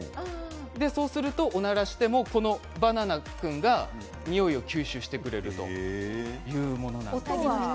そうすると、おならをしてもバナナ君がにおいを吸収してくれるということなんです。